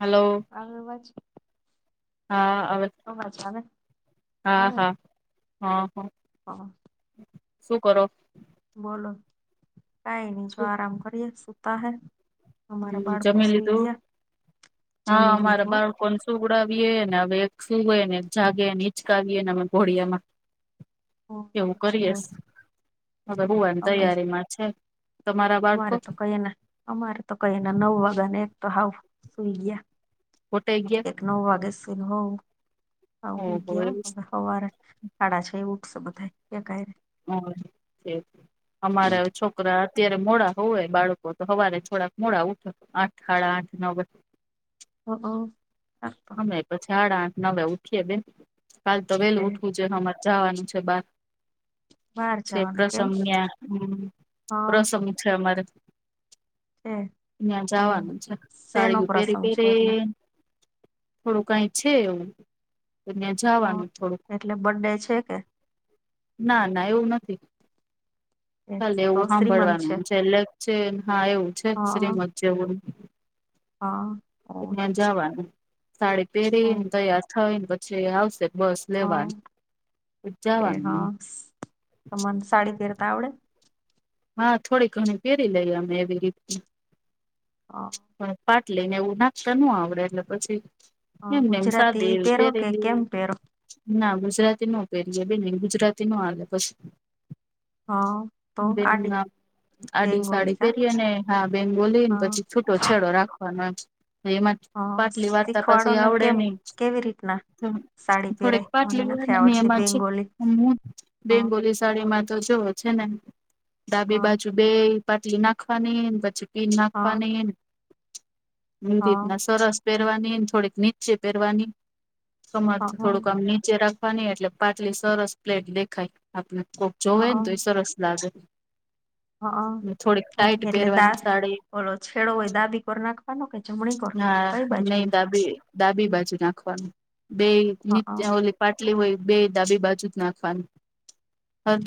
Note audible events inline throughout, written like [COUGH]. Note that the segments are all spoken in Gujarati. હલો આગળ વા શ હા હવે વા આવે [INAUDIBLE] હા આવે હા હહ હહ હ શું કરો? બોલો. કાઈ ની જો શું આરામ કરીએ સુતા હે. અમારા હમ બાળકો જમી સુઈ લીધું? ગયા હા જમી અમારા લીધું બાળકોને સુવ સુવડાવીએને હવે એક સુુવે ને, એક જાગે ને હીચકાવીએ ને અમે ઘોડિયામાં. એવું કરીએ સ હવે હુવાની અમે તૈયારીમાં છે. તમારા બાળકો અમારે તો કહીને અમારે તો કહીને નવ વાગાના એક તો હાવ સુઈ ગયા. ગોટાઇ ગયા? એનો મગસ એનો હવ, હાવ કેમ ઓહો એવું છે. બાપા. હવાર હાડાછએ ઊઠશે બધા, એક હારે. અમારે હવે છોક છોકરા અત્યારે મોડા હુવે બાળકો તો હવારે થોડાક મોડા ઉઠે આઠ હાડા આઠ નવે. હઅ આ ને પછી હાડા આઠ નવે ઉઠીએ બે કાલ તો વેલું ઉઠવું છે હમારે જાવાનું છે બાર. બહાર છે જવાનું કેમ પ્રસંગ ન્યા, હમ હ પ્રસંગ છે અમારે. છે ઈયા હ જાવાનું છે. શેનો સાડીઓ પેરી પ્રસંગ છે એટલે પેરી ને થોડું કઈ છે એવું, તો ન્યા હ જાવાનું થોડુંક. એટલે બર્ડે છે કે ના ના એવું નથી. એ ખાલી તો એવું શ્રીમંત હાભળવાનું છે લેગ છે હા એવું છે શ્રીમદ. જેવું એમ. હહ હોવે. જાવાનું સાડી પહેરી ને, તૈયાર થઈ ને પછી આવશે બસ. હા લેવા ને પછી જાવાનું. તમારે સાડી પેરતા આવડે? હા થોડી ઘણી પહેરી લઈએ અમે એવી રીતના. હા પાટલી ને એવું નાખતા નો આવડે એટલે પછી હ એમને એમ ગુજરાતી સાદી એવી પહેરો કે પેરી લઈ. કેમ પહેરો ના ગુજરાતી નો પહેરીએ બેન ગુજરાતી નો હાલે પછ હહ પેલા આડી સાડી કા પેરીએને હા બેંગોલીને હા પછી છૂટો છેડો રાખવાનો એમ. ને એમાં હા પાટલી વારતા શીખવાડો પાછી ને આવડે કેમ નહી. કેવી રીતના તો સાડી થોડેક પહેરાય મને પાટલી હોય નથી ને આવડતી એમાં છે બેંગોલી હું હ હ બેંગોલીશ સાડીમાં તો જોવો છે ને હ ડાબી બાજુ બેય પાટલી નાખવાની ને, પછી પીન હ નાખવાની ન. એ રીતના સરસ પહેરવાની ને થોડીક નીચે પહેરવાની. કમરથી થોડુંક આમ નીચે રાખવાની એટલે પાટલી સરસ પ્લેટ દેખાય આપને કોક જોવે ને તો એ સરસ લાગે. હ થોડીક ટાઈટ હ એટલે દા પહેરવાની સાડી. ઓલો છેડો હોય ડાબી કોર નાખવાનો કે જમણી કોર હા કઈ બાજુ નહી હોય ડાબી, ડાબી બાજુ નાખવાનું. બેઈ નિત્ય ઓલી. પાટલી હોય બે ડાબી બાજુ જ નાખવાની.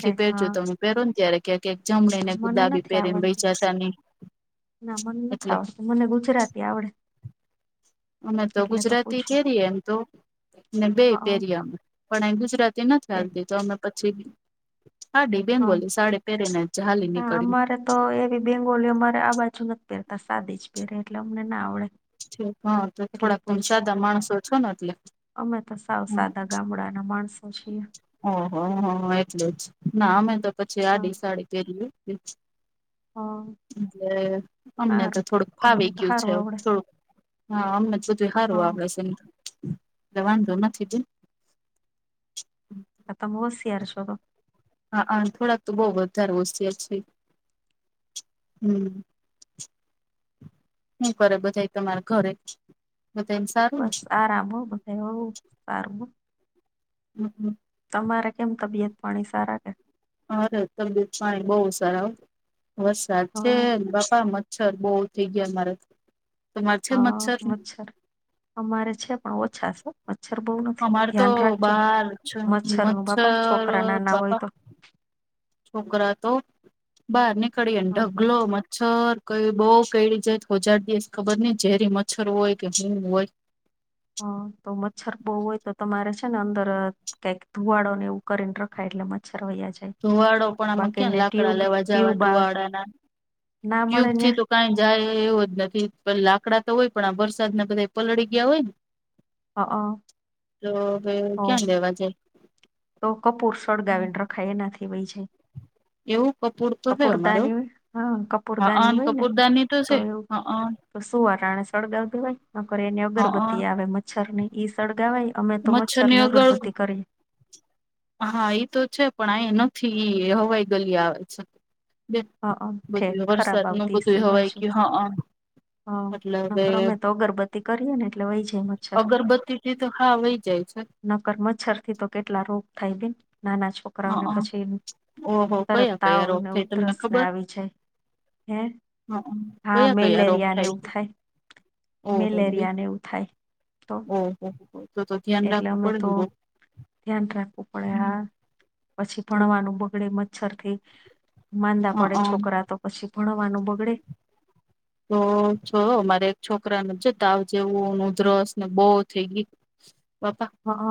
હ પહેરજો તમે પહેરો ને ત્યારે. કે કે એકજામ લે ના મને નથી આવડતી. ના મને નથી એટલે આવડતી મને ગુજરાતી આવડે. અમે તો એટલે ગુજરાતી પૂછું પેરીએ એમ તો ને હ બેઈ પેરીએ અમે. પણ અઈ ગુજરાતી નથી હાલતી તો અમે પછી આડી હા બેંગોલી સાડી પહેરી ને હાલી હા નીકળીએ. અમારે તો એવી બેંગોલી અમારે આ બાજુ નથી પહેરતા, સાદી જ પહેરે એટલે અમને ના આવડે. ઠીક હા તોય એટલે થોડાક તમે પૂછું સાદા માણસો છો ને એટલે અમે તો સાવ સાદા ગામડાના માણસો છીએ. ઓહ હો એટલે જ ના અમે તો પછી હા આડી સાડી પહેરીએ. હા એટલે અમને તો સારું થોડુંક તમને ફાવી તો ગયું છે સારું હવે આવડે થોડુંક. હા અમને બધું એ હારું હા આવડે સે. એટલે વાંધો નથી બેન. હમ આ તમે હોશિયાર છો તો. હઆ થોડાક તો બહુ વધારે હોશિયાર છીએ. હમ હું કરે બધા તમારા ઘરે મ એમ બસ આરામ હો બ હો સાર હમ હમ તમારે કેમ તબિયત પાણી સારા કે અરે તબિયત પાણી બહુ સારા વરસાદ હ છે બાપા મ મચ્છર બહુ થઈ ગયા મારે તમારે છે મચ્છર ને અમારે છે પણ ઓછા છે મચ્છર બહુ નથી અમારે તો ધ્યાન રાખજો બાર મચ્છર નું બાપા મચ્છર છોકરા નાના હોય બાપા તો છોકરા તો બહાર નીકળીને હા ઢગલો મ મચ્છર કઈ બહ કેડી જાય તો ઓજાર દઈસ ખબર નઈ ઝેરી મચ્છર હોય કે હૂ હોય હ તો મચ્છર બહ હોય તો તમારે છે ને અંદર કઈક ધુવાડોનેવ કરીને રખાય એટલે મચ્છર વૈયા જ ધુવાડો પણ આમાં ક્યાં લાકડા લેવા જવા ટ્યુબ આવે તુવાડાા ના ના મળે ક્યુબ થી તો કંઈ જાય એવો જ નથી પ લાકડા તો હોય પણ આ વરસાદને બધા પલળી ગયા હોય ને ત્યાં તો હવે હ ક્યાં રેવા જાય તો કપૂર સળગાવીને રખાય એનાથી વય જાય એવું કપૂર તો છે અમારે કપૂરદાની હા હા કપૂરદાની અન હોય ને કપૂરદાની તો છે એવું હા તો શું વાણે સળગાવી દેવાય નક એને હા અગરબત્તી આવે મચ્છર ને ઈ સળગાવય અમે તો મચ્છર મચ્છરની ને આગળ અગરબત્તી કરી હા તો છે પણ અ નથી ઈ હવાઈ ગલી આવે છે હ ઠેક બધું ખરાબ વરસાદ ન બધું હવાય કે હ હ નકર અમે તો અગરબત્તી કરીએ ને એટલે વહી જાય મચ્છર તે તો હા વય જાય છે નકર મચ્છર થી તો કેટલા રોગ થાય બેન નાના છોકરા હઅ છકરાઓને પછી ઓહો તરત કયા કયા રોગ તાવને થાય તમને ઉધરસને આવી જાય હમ હ કયા કયા રોગ થાય છે ઓહો બે મેલેરિયા એવું થાય તો ઓ હ એટલે અમે તો ધ્યાન રાખવું પડે હા પછી ભણવાનું બગડે મ મચ્છરથી માંદા પડે હઅ છોકરા તો પછી ભણવાનું બગડે તો છ મારે એક છોકરાને છે તાવ જેવું ન ઉધરસ ને બહુ થઈ ગય બાપા હ હ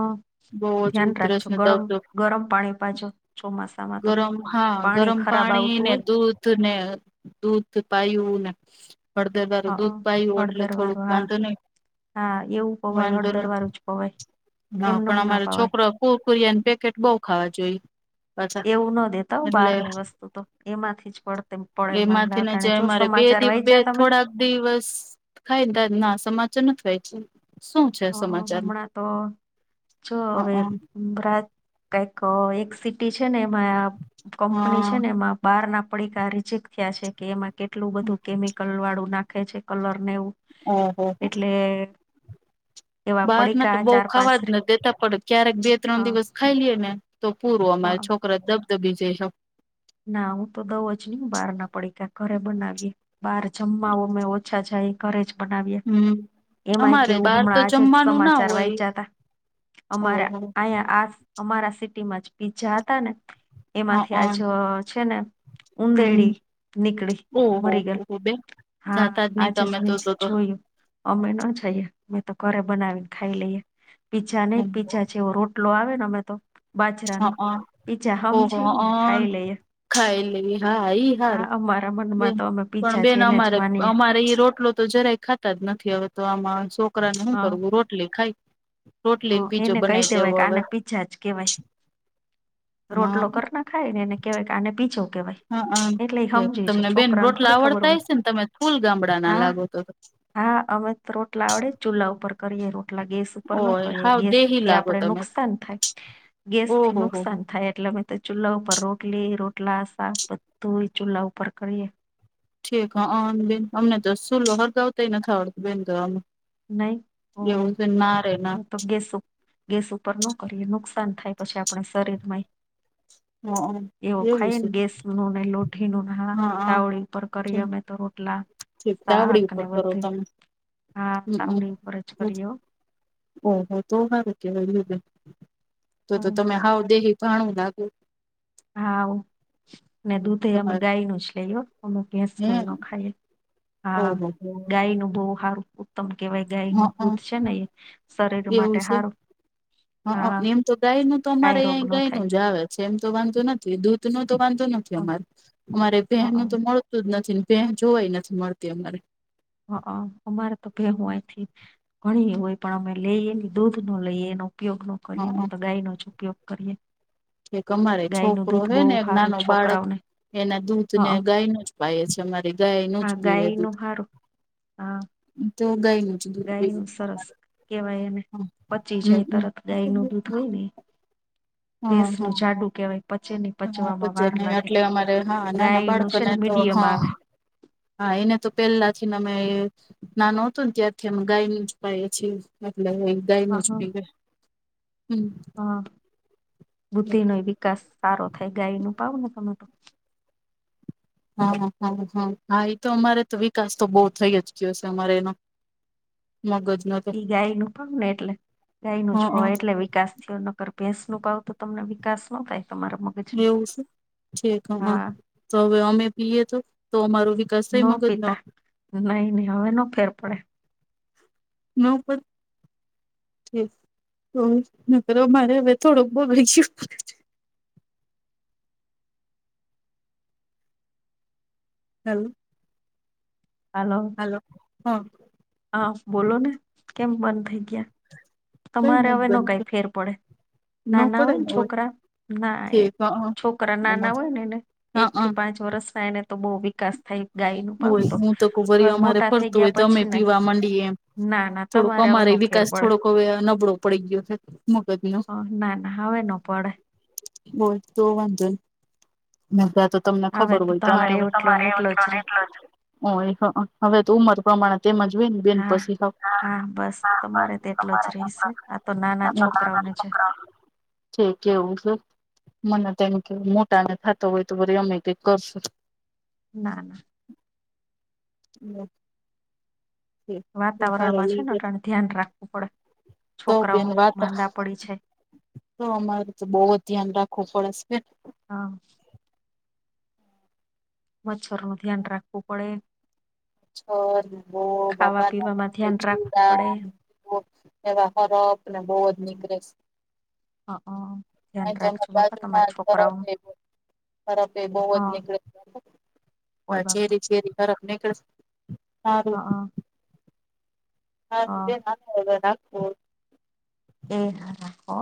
બહુ જ ધ્યાન ઉધરસ રાખજો ને ગરમ દવતો ગરમ પાણી પાજો ચોમાસા ગરમ હા ગરમ પાણી ને હોય દૂધ દધ ને દૂધ પાયું ને અડદર હ વારું દૂધ પાયું એટલે હળદર થોડુંક વાળું હા વાંધો નહી વાંધો ન હોવે હા પણ અમારો છોકરો કુરકુરિયાની પેકેટ બહ ખાવા જોઈ એવું ન દેતા બાર નિિવસ્ તો એમાંથી જ પડ પડે એમાંથી ને જે માંદાવાને જો અમારે બે સમાચાર દિવ બે વાંચ્યા તમે થોડાક દિવસ ખાયદા ના સમાચાર નથી ખય છે હ સમાચારમાં હમણાં તો છ હવે બરાત કઈક એક સિટી છે ને એમાં હ હ કંપની છે ને એમાં બહાર ના પડીકા રિજેક્ટ થયા છે કે એમાં કેટલું બધું કેમિકલ વાળું નાખે છે કલર નેવું હ હ હ એવા બહાર ના તો પડીકા બઉ ચાર પાંચ ખાવા જ ન દેતા પડે ક્યારેક બે હ ત્રણ દિવસ ખાઈ લએ ને તો પૂરું હ અમારે છોકરા દબદબી જઈ છે ના હું તો દઉ જ નહી બહાર ના પડીકા ઘરે બનાવી બહાર જમવા મેં ઓછા જાય ઘરે જ બનાવીએ હમ એમાંય અમારે કેવું બહાર હમણાં તો આજે જ જમવાનું ના સમાચાર હોય વાંચ્યા હતા અમારા ઓહો અહીંયા આ અમારા સિટીમાં જ પીજા હતા ને એમાંથી આજ છે ને ઉદેડી હમ નીકળી ઓહો મરી ગયલ હો બેન હા જાતા નહી આજ જ તમે તો મેં તો જોયું અમે ન જઈએ મેં તો ઘરે બનાવીને ખાઈ લઈએ પીજા નહી પીજા જેવો રો લો આવે ને અમે તો બાજરા ન હ પીજા હમ ઓહો જી અ ને ખાઈ લઈએ ખાઈ લેવી હા ઈ હા હારૂ અમારા મનમાં બેન તો અમે પણ પીઝા છે બેન એને જ અમારે માનીએ અમારે ઈ રોટલો તો જરાય ખાતા જ નથી હવે તો આમાં છોકરાને શું કરવું રોટલી ખાઈ ઓ એને કઈ દેવાય કે આને પીજા જ કેવાય હા રોટલો કર ના ખાય એને કેવાય કે આને પીજો કેવાય હા એટલે એ સમજી છે તમને બેન છોકરાને રોટલા થોડી ખબર આવડતા હ હોય છે ને તમે ફૂલ ગામડા ના હા લાગો તો હા અમે તો રોટલા આવડે ચૂલ્લા ઉપર કરીએ રોટલા ગેસ ઉપર ન હોય કરીએ ગેસ થી આપડે નુકસાન થાય ગેસ થી ઓહો હો નુકસાન થ થાય એટલે અમે તો ચૂલ્લા ઉપર રોટલી રોટલા શાક બધું ચૂલ્લા ઉપર કરીએ ઠીક હ બેન અમને તો સુલો હરગાવતા નથ આવડતો બેન તો નહી એવું જ ના એના તો ગેસ ગેસ ઉપર ન કરીએ નુકસાન થાય પછી આપણે શરીરમાં હ એવું ખાઈને છે ગેસ નું ને લોઠી નું હા તાવડી ઉપર કરી ઠીક અમે તો રોટલા ઠીક શાક તાવડી ને ઉપર કરો બધે તમે હમ હમ હમ કરીએ હો ઓહો તો સારું કેવાયય તો તો તમે હાવ દેહી ભાણું લાગ હા ને દૂધે અમે તમારે ગાય નું જ લઈએ અમે હે ભેંસનું નોય ખાઈએ હા ઓહો હો. ગાય નું બહુ સારું તમ કેવાય ગાય નું હઅ દૂધ છે ને એ શરીર માટે સારું હા હ એમ તો ગાય નું તો કઈ અમારે રોગ અહીં ન ગાય થાય નું જ આવે છે એમ તો વાંધું નથી દૂધ નું તો વાંધું નથી અમાર અમારે ભેહ નું તો હ મળ જ નથી ભેહ જોવાઈ નથી મળતી અમારે હા અમારે તો ભેહુ હોયથી ઘણી હોય પણ અમે લઈએ દૂધ નો લઈએ એનો ઉપયોગ ન હઅ કરીએ અમે તો ગાય નો જ ઉપયોગ કરીએ. કે અમારે ગાય નું છોકરો દૂધ છે બહુ ને એક સારું નાનો બાળક છોકરાઓને એના દૂધ હ ને ગાયને એ છે મારી ગાયનુ જ હા પીવે ગાય દૂધ નું હારું હા તો ગાય જ દૂધ ગાય પીવે નું છે સરસ અમારે કેવાય એને પચી હમ જાય હમ તરત ગાય નું દૂધ હોય ને હા ભેંસ હા ન હા જાડુ કહેવાય પચેની હા પચવામાં પચે વાર ને લાગે એટલે અમારે હા નાના ગાયનું છે બાળકોને ને તો મીડિયમ હા આવે હા એને તો પેલા થીને અમે નાનુ હતું ત્યારથી અમે ગાયનુ જ પાય છીએ એટલે ગાયનું જ હા પીવે હમ હ બુદ્ધિ નો વિકાસ સારો થાય ગાય નું પાવ ને તમે તો હા હ હ હા એતો અમારે તો વિકાસ તો બહુ થઈ જ ગયો છે અમારે એનો મગજ ન તો એઈ ગાય નું પણ ને એટલે ગાય નું જ હા પવાય એટલે વિકાસ થયો ન ભેંસ નું પાવ તો તમને વિકાસ ન થાય તમારા મ એવું છે ઠેક અ હ તો હવે અમે પીએ તો તો અમારો વિકાસ થઈ મગજ નો નઈ નહી હવે નો ફેર પડે. નો ઉપર એ તો દીકરો મારે હવે થોડોક બગડી જ્યો હલો. હલો. હલો હા. હા બોલો ને કેમ બંધ થઈ ગ્યા કઈ તમારે નથી હવે નો કાઈ બનતું ફેર પડે. ન નાના પડે હોય ને છોકરા ના એ ઠીક હા છોકરા નાના હોય ને એને હા એક હા થી પાંચ વર્ષ ના એને તો બો વિકાસ થાય. ગાય નું પાંપ હોય તો હું હવે મોટા થઈ ગ્યા પછી નય. મડી એમ થોડોક અમારે ફેર વિકાસ પડે થોડોક હવે નબળો પડી ગીયુ તું મગજ નો. હા ના ના હવે નો પડે. બોલ તો વાંધો ની નક આતો તમને હવે ખબર તો હોય તમારે તમેં એટલો ને તમારે એટલો જ આખા રે ને ઓ હવે તો ઉમર પ્રમાણે તેમજ હોય ને બેન પસી તો તેટલો જ રહીશે આ તો નાના છોકરાઓને છે. તે કેવું છે મને તો એમ કે મોટા ને થતા હોય તો વળી અમે કઈક કરશું. ના ના. હમમ. હારો વાતાવરણમાં છે ને અટાણે ધ્યાન રાખવું પડે, તો છોકરાઓ બેન વાત માંદા પડી જાય. તો અમારે તો બો જ ધ્યાન રાખવું પડે સે બેન. હા. મચ્છર નું ધ્યાન રાખવું પડે. મચ્છર ને બો ખાવા બાબા પીવામાં ને ધ્યાન રાખવું જીવડા પડે ને બો એવા હરાહર ને બો જ નીકળે સે. હ અ ધ્યાન તોમે રાખજો બાપા બાજુમાં તમારા જરા છોકરાઓ ભેગું ગરપ એ બઉ હ જ નીકળે કોઈ બાપા છેરી ચેરી ગરપ નીકડે છે. હ હારૂ. હ હારૂ બેન હાલે અવે હાલ તું [UNINTELLIGIBLE] એ હા હો.